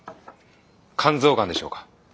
肝臓がんでしょうか。